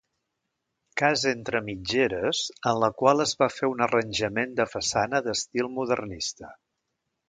Casa entre mitgeres en la qual es va fer un arranjament de façana d'estil modernista.